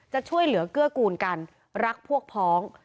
จะช่วยเหลือเกื้อกูลกันรักพวกพ้อง